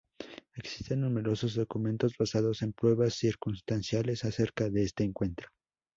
Existen numerosos documentos, basados en pruebas circunstanciales, acerca de este encuentro.